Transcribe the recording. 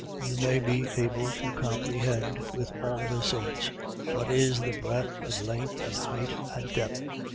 You may be able to comprehend, with all the saints, what is the breadth and length and height and depth, 3:19.